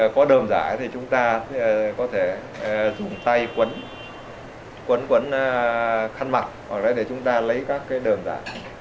có đồm giả thì chúng ta có thể dùng tay quấn khăn mặt hoặc là để chúng ta lấy các cái đồm giả